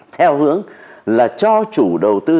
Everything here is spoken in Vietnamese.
theo hướng là cho chủ đầu tư